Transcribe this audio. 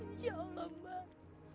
insya allah mbak